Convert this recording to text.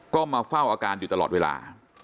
ก็มาเฝ้าอาการอยู่ตลอดเวลา